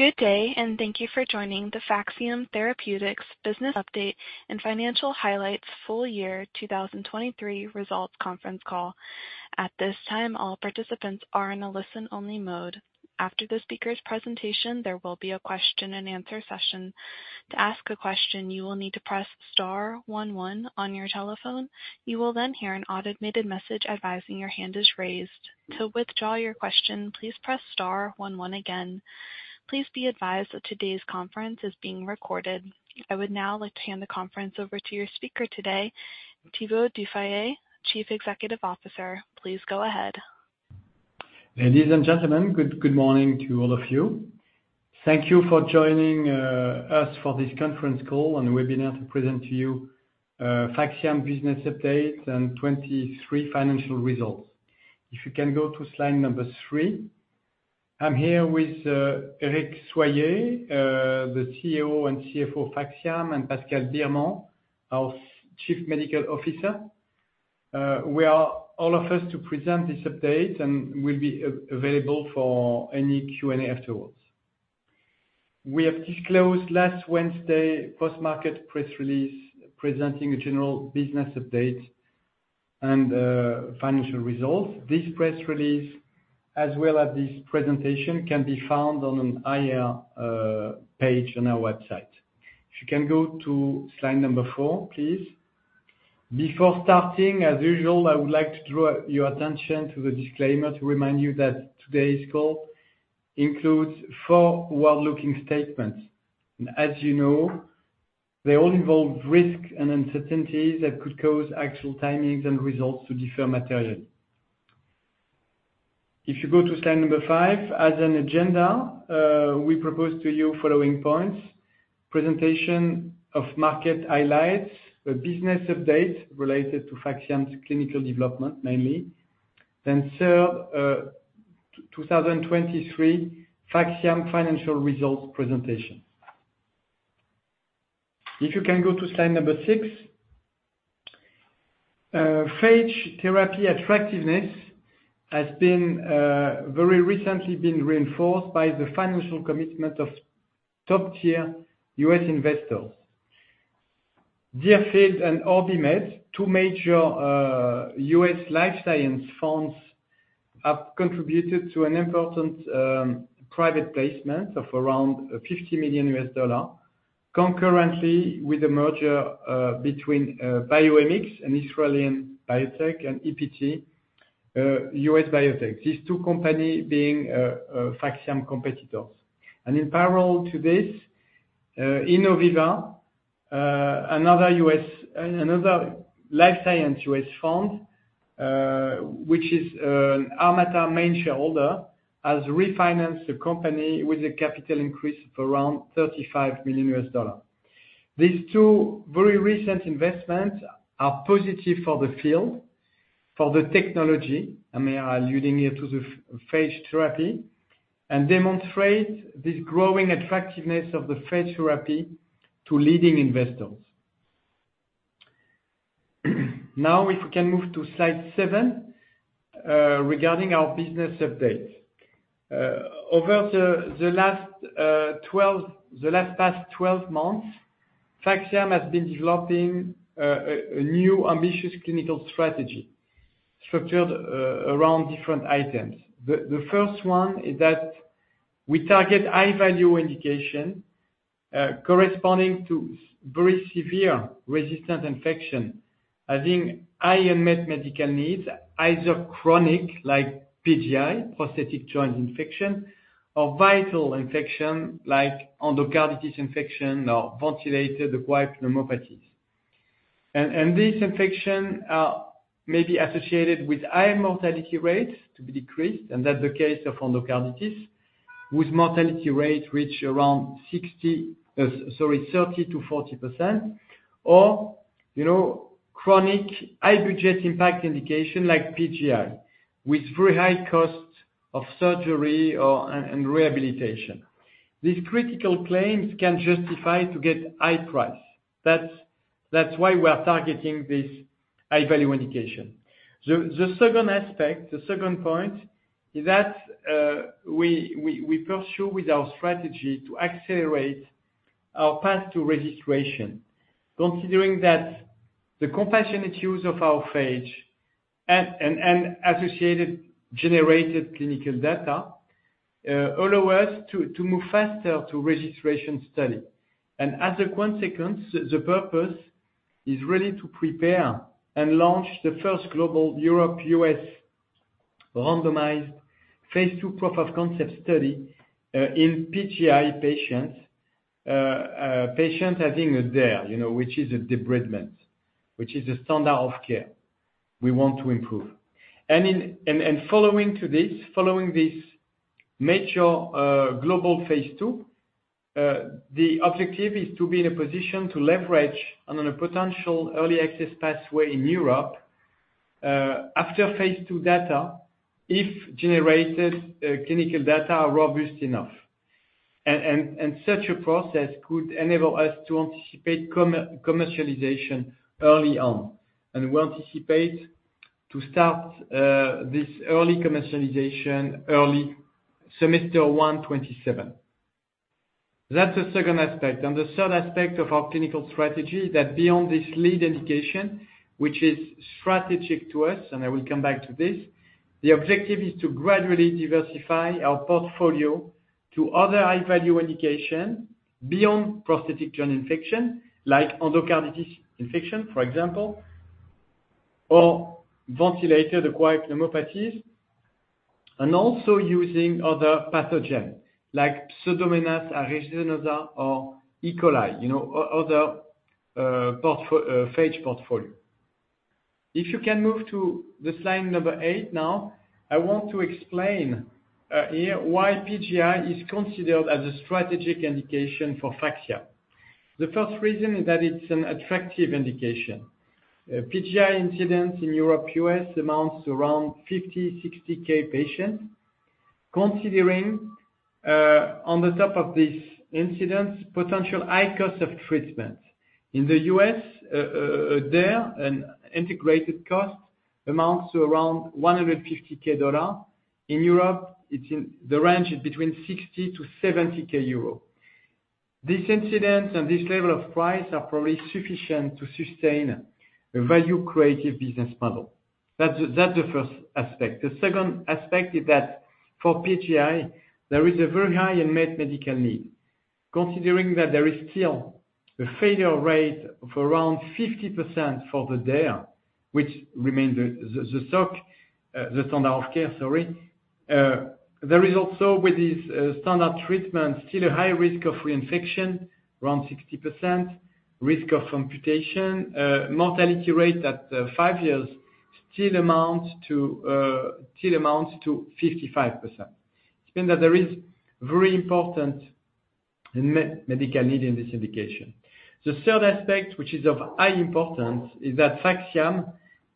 Good day, and thank you for joining the PHAXIAM Therapeutics business update and financial highlights full year 2023 results conference call. At this time, all participants are in a listen-only mode. After the speaker's presentation, there will be a question-and-answer session. To ask a question, you will need to press star one one on your telephone. You will then hear an automated message advising your hand is raised. To withdraw your question, please press star one one again. Please be advised that today's conference is being recorded. I would now like to hand the conference over to your speaker today, Thibaut du Fayet, Chief Executive Officer. Please go ahead. Ladies and gentlemen, good, good morning to all of you. Thank you for joining us for this conference call and webinar to present to you PHAXIAM business update and 2023 financial results. If you can go to slide number three. I'm here with Eric Soyer, the COO and CFO of PHAXIAM, and Pascal Birman, our Chief Medical Officer. We are all of us to present this update, and we'll be available for any Q&A afterwards. We have disclosed last Wednesday post-market press release presenting a general business update and financial results. This press release, as well as this presentation, can be found on the IR page on our website. If you can go to slide number four, please. Before starting, as usual, I would like to draw your attention to the disclaimer to remind you that today's call includes forward-looking statements. And as you know, they all involve risk and uncertainties that could cause actual timings and results to differ materially. If you go to slide five, as an agenda, we propose to you the following points: presentation of market highlights, a business update related to PHAXIAM's clinical development mainly, then third, 2023 PHAXIAM financial results presentation. If you can go to slide six. Phage therapy attractiveness has very recently been reinforced by the financial commitment of top-tier U.S. investors. Deerfield and OrbiMed, two major U.S. life science funds, have contributed to an important private placement of around $50 million, concurrently with a merger between BiomX, an Israeli biotech, and APT, U.S. biotech, these two companies being PHAXIAM competitors. In parallel to this, Innoviva, another U.S. life science fund, which is an Armata main shareholder, has refinanced the company with a capital increase of around $35 million. These two very recent investments are positive for the field, for the technology—I mean, I'm alluding here to the phage therapy—and demonstrate this growing attractiveness of the phage therapy to leading investors. Now, if we can move to slide seven, regarding our business update. Over the past 12 months, PHAXIAM has been developing a new ambitious clinical strategy structured around different items. The first one is that we target high-value indications corresponding to a very severe resistant infection having unmet medical needs, either chronic like PGI, prosthetic joint infection, or vital infection like endocarditis infection or ventilator-associated pneumonias. These infections may be associated with higher mortality rates to be decreased, and that's the case of endocarditis, with mortality rates reaching around 60 sorry, 30%-40%, or, you know, chronic high-budget impact indication like PGI, with very high costs of surgery or and rehabilitation. These critical claims can justify to get high price. That's, that's why we are targeting this high-value indication. The second aspect, the second point, is that, we pursue with our strategy to accelerate our path to registration, considering that the compassionate use of our phage and associated generated clinical data allow us to move faster to registration study. As a consequence, the purpose is really to prepare and launch the first global Europe-U.S. randomized phase II proof-of-concept study in PGI patients, patients having a DAIR, you know, which is a debridement, which is a standard of care we want to improve. And following this major global phase II, the objective is to be in a position to leverage on a potential early access pathway in Europe, after phase II data, if generated clinical data are robust enough. And such a process could enable us to anticipate commercialization early on. And we anticipate to start this early commercialization early semester 1, 2027. That's the second aspect. The third aspect of our clinical strategy is that beyond this lead indication, which is strategic to us, and I will come back to this, the objective is to gradually diversify our portfolio to other high-value indications beyond prosthetic joint infection, like endocarditis infection, for example, or ventilator-associated pneumonias, and also using other pathogens, like Pseudomonas aeruginosa or E. coli, you know, other phage portfolio. If you can move to the slide number eight now, I want to explain here why PGI is considered as a strategic indication for PHAXIAM. The first reason is that it's an attractive indication. PGI incidence in Europe-U.S. amounts to around 50,000-60,000 patients, considering on top of this incidence potential high cost of treatment. In the U.S., a DAIR, an integrated cost, amounts to around $150,000. In Europe, it's in the range between 60,000-70,000 euro. This incidence and this level of price are probably sufficient to sustain a value-creative business model. That's the first aspect. The second aspect is that for PGI, there is a very high unmet medical need, considering that there is still a failure rate of around 50% for the DAIR, which remains the standard of care, sorry. There is also, with this standard treatment, still a high risk of reinfection, around 60%, risk of amputation, mortality rate at five years still amounts to 55%. It's been that there is very important unmet medical need in this indication. The third aspect, which is of high importance, is that PHAXIAM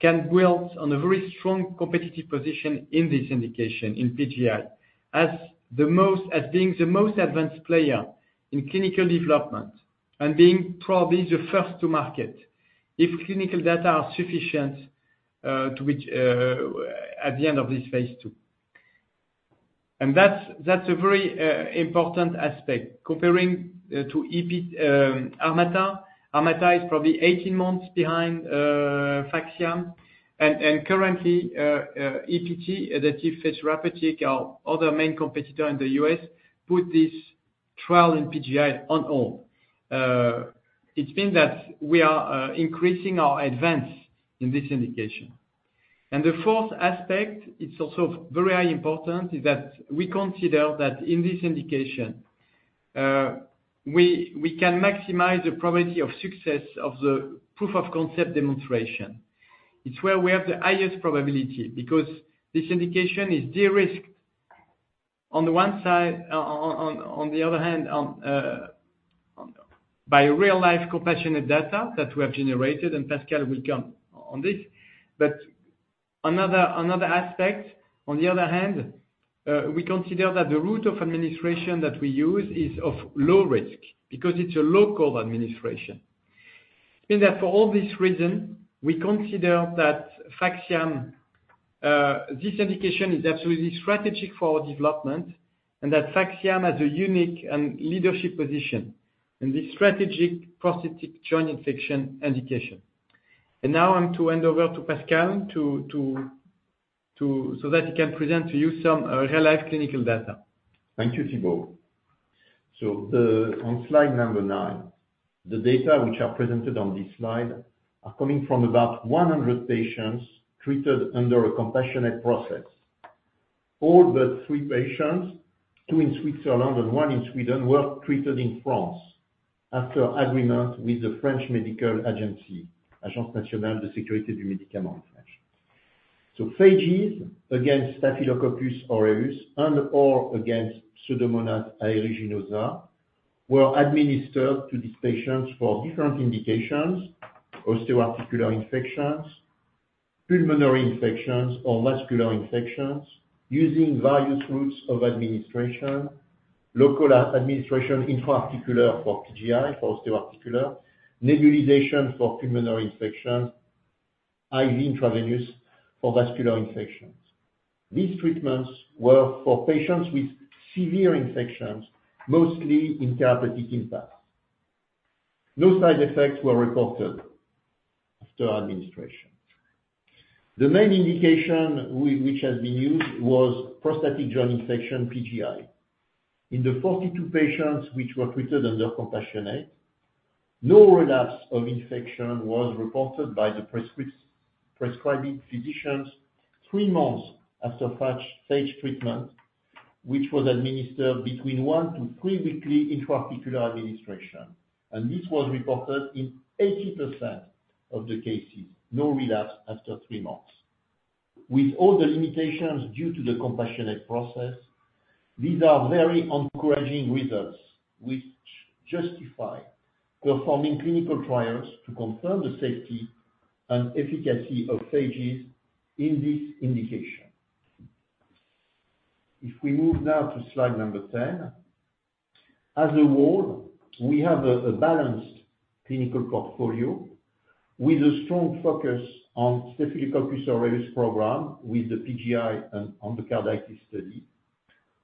can build on a very strong competitive position in this indication, in PGI, as the most as being the most advanced player in clinical development and being probably the first to market if clinical data are sufficient, to be at the end of this phase II. That's a very important aspect, comparing to APT Armata. Armata is probably 18 months behind PHAXIAM. Currently, APT, Adaptive Phage Therapeutics, our other main competitor in the U.S., put this trial in PGI on hold. It means that we are increasing our advance in this indication. The fourth aspect, it's also very high important, is that we consider that in this indication, we can maximize the probability of success of the proof of concept demonstration. It's where we have the highest probability because this indication is de-risked on the one side, on the other hand, by real-life compassionate data that we have generated, and Pascal will come on this. But another aspect, on the other hand, we consider that the route of administration that we use is of low risk because it's a local administration. It's been that for all these reasons, we consider that PHAXIAM, this indication is absolutely strategic for our development and that PHAXIAM has a unique and leadership position in this strategic prosthetic joint infection indication. And now I'm to hand over to Pascal so that he can present to you some real-life clinical data. Thank you, Thibaut. So, on slide number nine, the data which are presented on this slide are coming from about 100 patients treated under a compassionate process. All but three patients, two in Switzerland and one in Sweden, were treated in France after agreement with the French medical agency, Agence Nationale de Sécurité du Médicament en France. Phages against Staphylococcus aureus and/or against Pseudomonas aeruginosa were administered to these patients for different indications: osteoarticular infections, pulmonary infections, or vascular infections, using various routes of administration: local administration intra-articular for PGI, for osteoarticular; nebulization for pulmonary infections; IV intravenous for vascular infections. These treatments were for patients with severe infections, mostly in therapeutic impact. No side effects were reported after administration. The main indication which has been used was prosthetic joint infection, PGI. In the 42 patients which were treated under compassionate, no relapse of infection was reported by the prescribing physicians three months after PHAXIAM phage treatment, which was administered between one to three-weekly intra-articular administration. This was reported in 80% of the cases, no relapse after three months. With all the limitations due to the compassionate process, these are very encouraging results, which justify performing clinical trials to confirm the safety and efficacy of phages in this indication. If we move now to slide 10. As a whole, we have a balanced clinical portfolio with a strong focus on Staphylococcus aureus program with the PGI and endocarditis study,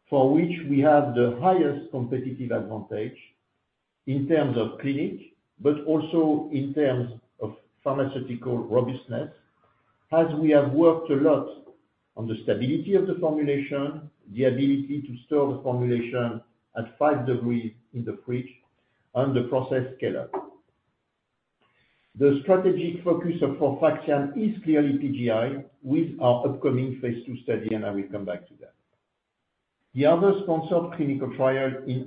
for which we have the highest competitive advantage in terms of clinic but also in terms of pharmaceutical robustness, as we have worked a lot on the stability of the formulation, the ability to store the formulation at 5 degrees in the fridge, and the process scale-up. The strategic focus for PHAXIAM is clearly PGI with our upcoming phase II study, and I will come back to that. The other sponsored clinical trial in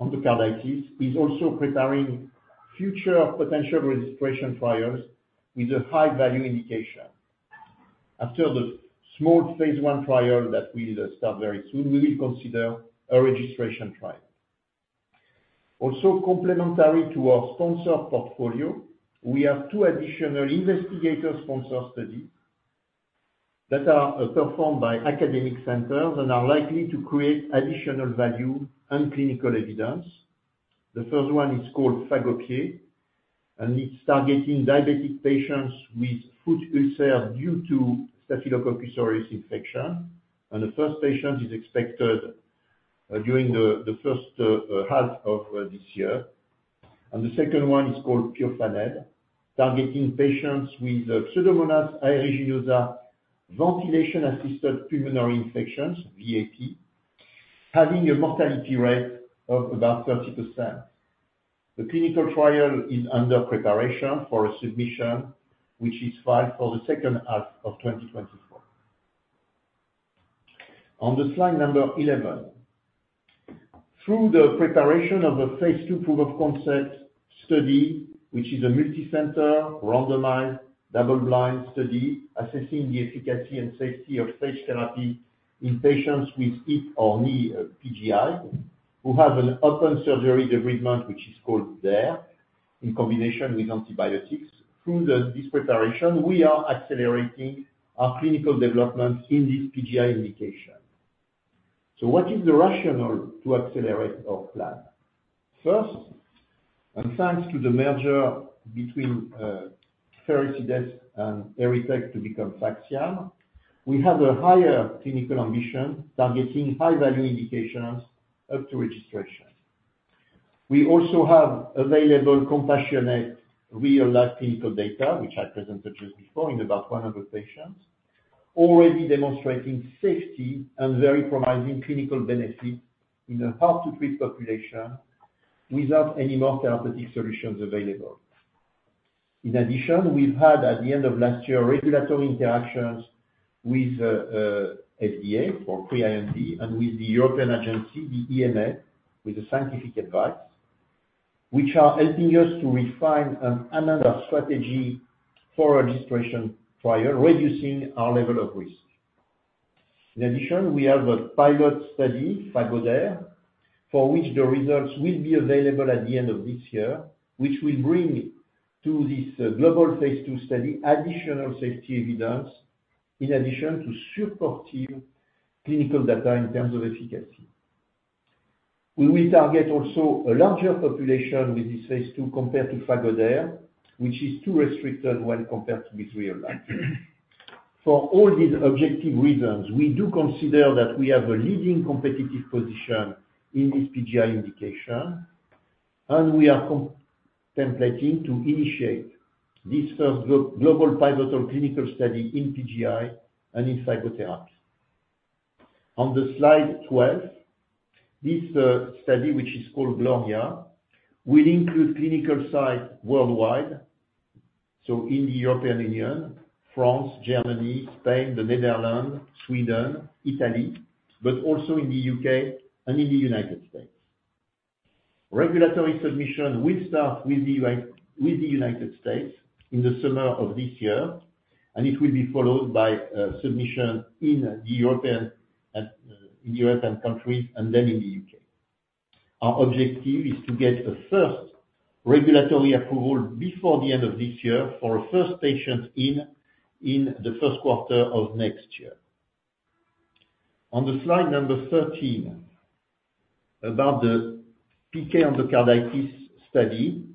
endocarditis is also preparing future potential registration trials with a high-value indication. After the small phase I trial that will start very soon, we will consider a registration trial. Also, complementary to our sponsored portfolio, we have two additional investigator-sponsored studies that are performed by academic centers and are likely to create additional value and clinical evidence. The first one is called PhagoPied, and it's targeting diabetic patients with foot ulcer due to Staphylococcus aureus infection. The first patient is expected during the first half of this year. The second one is called PIOCADED, targeting patients with Pseudomonas aeruginosa ventilator-associated pulmonary infections, VAP, having a mortality rate of about 30%. The clinical trial is under preparation for a submission, which is filed for the second half of 2024. On the slide number 11. Through the preparation of a phase II proof of concept study, which is a multi-center randomized double-blind study assessing the efficacy and safety of phage therapy in patients with hip or knee PGI, who have an open surgery debridement, which is called DAIR, in combination with antibiotics, through this preparation, we are accelerating our clinical development in this PGI indication. So what is the rationale to accelerate our plan? First, thanks to the merger between Pherecydes and ERYTECH to become PHAXIAM, we have a higher clinical ambition targeting high-value indications up to registration. We also have available compassionate real-life clinical data, which I presented just before in about 100 patients, already demonstrating safety and very promising clinical benefit in a hard-to-treat population without any more therapeutic solutions available. In addition, we've had, at the end of last year, regulatory interactions with FDA for pre-IND and with the European agency, the EMA, with a scientific advice, which are helping us to refine another strategy for registration trial, reducing our level of risk. In addition, we have a pilot study, PhagoDAIR, for which the results will be available at the end of this year, which will bring to this global phase II study additional safety evidence in addition to supportive clinical data in terms of efficacy. We will target also a larger population with this phase II compared to PhagoDAIR, which is too restricted when compared with real-life. For all these objective reasons, we do consider that we have a leading competitive position in this PGI indication, and we are contemplating to initiate this first global pilot or clinical study in PGI and in phage therapy. On slide 12, this study, which is called GLORIA, will include clinical sites worldwide, so in the European Union, France, Germany, Spain, the Netherlands, Sweden, Italy, but also in the U.K. and in the United States. Regulatory submission will start with the FDA in the United States in the summer of this year, and it will be followed by submission in the EMA and in the European countries and then in the U.K. Our objective is to get a first regulatory approval before the end of this year for a first patient in the first quarter of next year. On slide number 13, about the PK endocarditis study,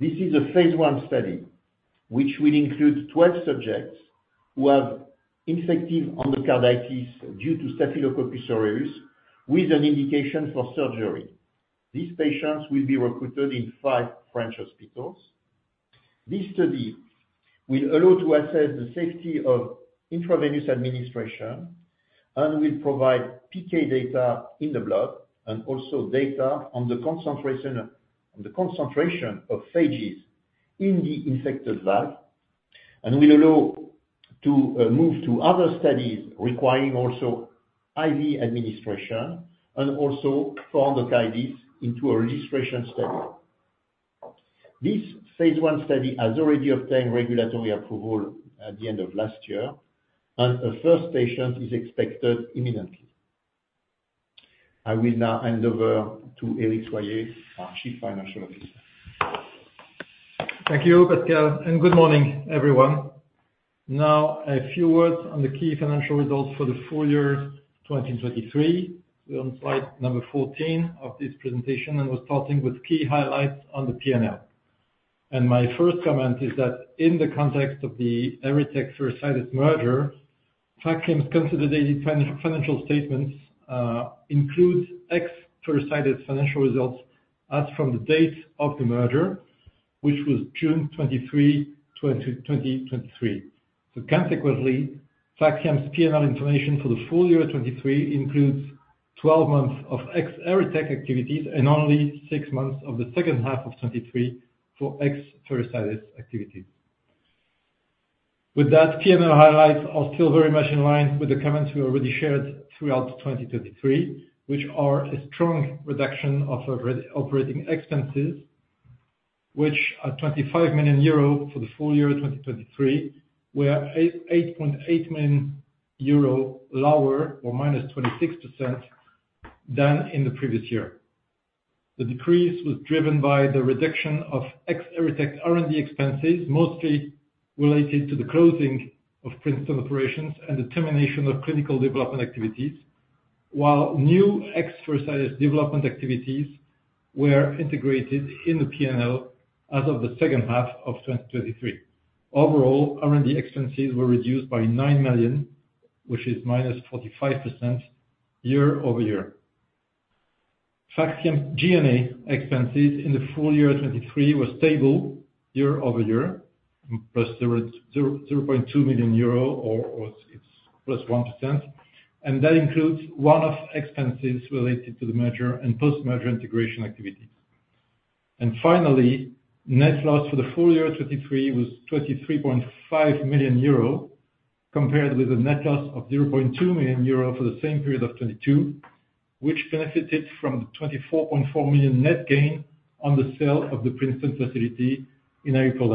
this is a phase I study, which will include 12 subjects who have infective endocarditis due to Staphylococcus aureus with an indication for surgery. These patients will be recruited in five French hospitals. This study will allow to assess the safety of intravenous administration and will provide PK data in the blood and also data on the concentration of phages in the infected valve and will allow to move to other studies requiring also IV administration and also for endocarditis into a registration study. This phase I study has already obtained regulatory approval at the end of last year, and a first patient is expected imminently. I will now hand over to Eric Soyer, our Chief Financial Officer. Thank you, Pascal, and good morning, everyone. Now, a few words on the key financial results for the full year 2023. We're on slide number 14 of this presentation, and we're starting with key highlights on the P&L. My first comment is that in the context of the ERYTECH-Pherecydes merger, PHAXIAM's consolidated financial statements include ex-Pherecydes financial results as from the date of the merger, which was June 23, 2023. So consequently, PHAXIAM's P&L information for the full year 2023 includes 12 months of ex-ERYTECH activities and only six months of the second half of 2023 for ex-Pherecydes activities. With that, P&L highlights are still very much in line with the comments we already shared throughout 2023, which are a strong reduction of operating expenses, which are 25 million euro for the full year 2023, were 8.8 million euro lower or -26% than in the previous year. The decrease was driven by the reduction of ex-ERYTECH R&D expenses, mostly related to the closing of Princeton operations and the termination of clinical development activities, while new ex-Pherecydes development activities were integrated in the P&L as of the second half of 2023. Overall, R&D expenses were reduced by 9 million, which is -45% year-over-year. PHAXIAM's G&A expenses in the full year 2023 were stable year-over-year, plus 0.2 million euro or it's +1%. That includes one-off expenses related to the merger and post-merger integration activities. Finally, net loss for the full year 2023 was 23.5 million euro compared with a net loss of 0.2 million euro for the same period of 2022, which benefited from the 24.4 million net gain on the sale of the Princeton facility in April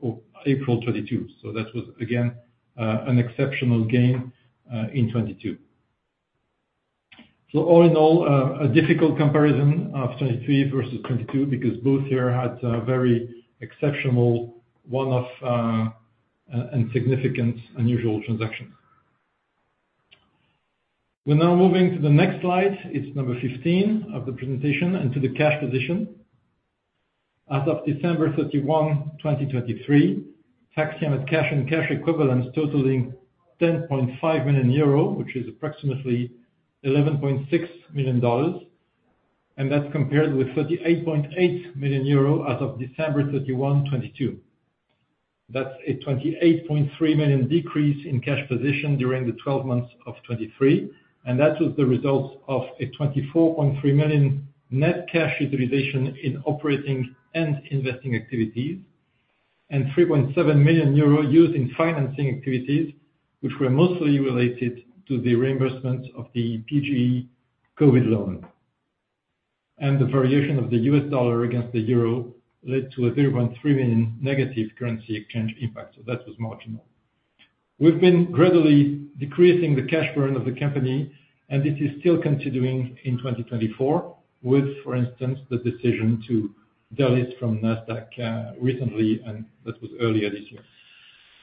2022. That was, again, an exceptional gain, in 2022. All in all, a difficult comparison of 2023 versus 2022 because both years had very exceptional one-off and significant unusual transactions. We're now moving to the next slide. It's number 15 of the presentation and to the cash position. As of December 31, 2023, PHAXIAM had cash and cash equivalents totaling 10.5 million euro, which is approximately $11.6 million. And that's compared with 38.8 million euros as of December 31, 2022. That's a 28.3 million decrease in cash position during the 12 months of 2023. And that was the results of a 24.3 million net cash utilization in operating and investing activities and 3.7 million euro used in financing activities, which were mostly related to the reimbursements of the PGE COVID loan. And the variation of the U.S. dollar against the euro led to a 0.3 million negative currency exchange impact. That was marginal. We've been gradually decreasing the cash burn of the company, and this is still continuing in 2024 with, for instance, the decision to delist from NASDAQ recently, and that was earlier this year.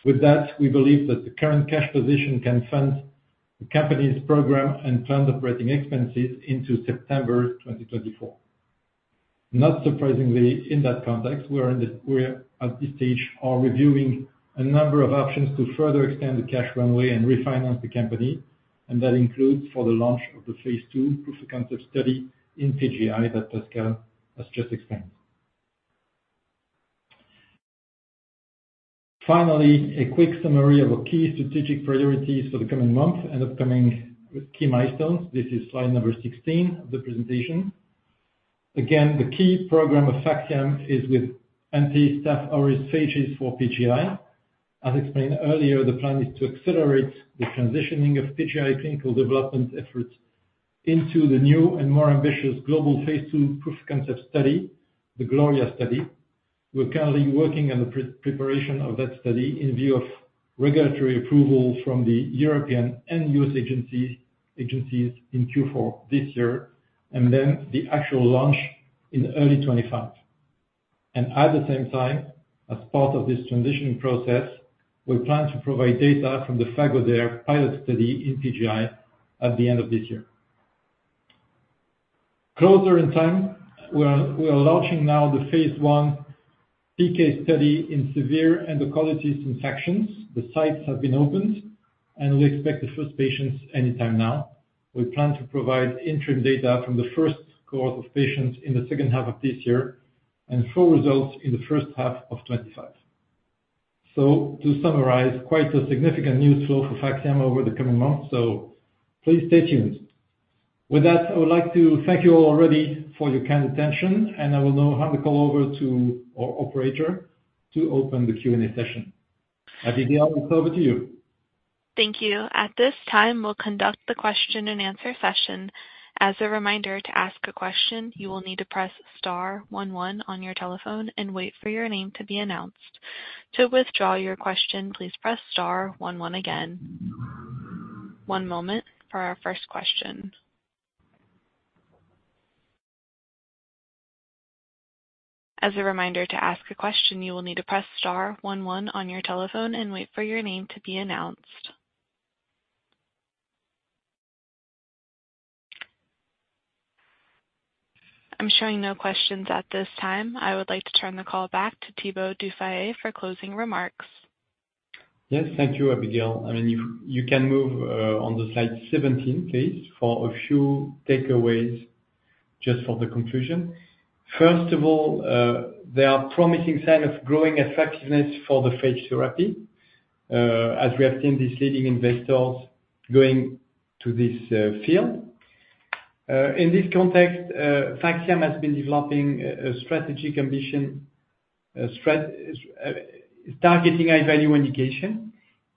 With that, we believe that the current cash position can fund the company's program and planned operating expenses into September 2024. Not surprisingly, in that context, we are, at this stage, reviewing a number of options to further extend the cash runway and refinance the company. That includes for the launch of the phase II proof of concept study in PGI that Pascal has just explained. Finally, a quick summary of our key strategic priorities for the coming month and upcoming key milestones. This is slide number 16 of the presentation. Again, the key program of PHAXIAM is with anti-Staph aureus phages for PGI. As explained earlier, the plan is to accelerate the transitioning of PGI clinical development efforts into the new and more ambitious global phase II proof of concept study, the GLORIA study. We're currently working on the pre-preparation of that study in view of regulatory approval from the European and U.S. agencies in Q4 this year and then the actual launch in early 2025. And at the same time, as part of this transitioning process, we plan to provide data from the PhagoDAIR pilot study in PGI at the end of this year. Closer in time, we are launching now the phase I PK study in severe endocarditis infections. The sites have been opened, and we expect the first patients anytime now. We plan to provide interim data from the first cohort of patients in the second half of this year and full results in the first half of 2025. So to summarize, quite a significant news flow for PHAXIAM over the coming months, so please stay tuned. With that, I would like to thank you all already for your kind attention, and I will now hand the call over to our operator to open the Q&A session. Abigail, it's over to you. Thank you. At this time, we'll conduct the question-and-answer session. As a reminder, to ask a question, you will need to press star one one on your telephone and wait for your name to be announced. To withdraw your question, please press star one one again. One moment for our first question. As a reminder, to ask a question, you will need to press star one one on your telephone and wait for your name to be announced. I'm showing no questions at this time. I would like to turn the call back to Thibaut du Fayet for closing remarks. Yes, thank you, Abigail. I mean, if you can move on the slide 17, please, for a few takeaways just for the conclusion. First of all, there are promising signs of growing effectiveness for the phage therapy, as we have seen these leading investors going to this field. In this context, PHAXIAM has been developing a strategic ambition, a strategy is targeting high-value indication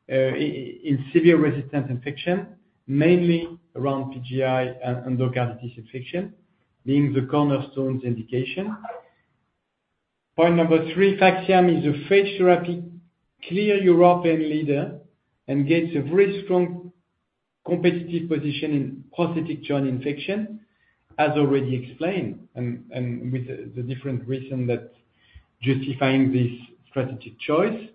in severe resistant infection, mainly around PGI and endocarditis infection, being the cornerstone indication. Point number three, PHAXIAM is a phage therapy clear European leader and gains a very strong competitive position in prosthetic joint infection, as already explained, and with the different reason that justifying this strategic choice.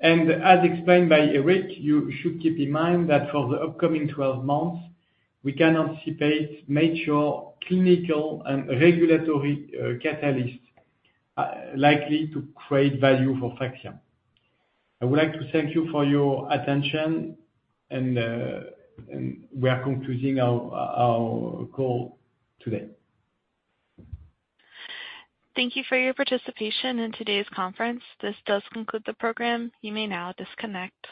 And as explained by Eric, you should keep in mind that for the upcoming 12 months, we can anticipate major clinical and regulatory catalysts, likely to create value for PHAXIAM. I would like to thank you for your attention, and we are concluding our call today. Thank you for your participation in today's conference. This does conclude the program. You may now disconnect.